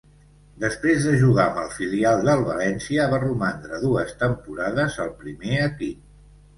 Després de jugar amb el filial del València, va romandre dues temporades al primer equip.